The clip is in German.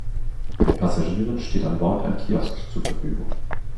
Den Passagieren steht an Bord ein Kiosk zur Verfügung.